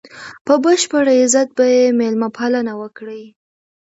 په بشپړ عزت به یې مېلمه پالنه وکړي.